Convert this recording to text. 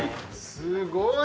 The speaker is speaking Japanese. すごい。